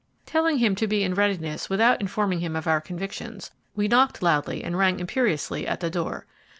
Telling him to be in readiness without informing him of our convictions, we knocked loudly and rang imperiously at the door.